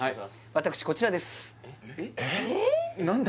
私こちらです何だ？